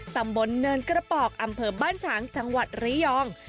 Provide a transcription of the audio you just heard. ตำบลเนินกระปอกอำเภอบ้านฉางจังหวัดระยอง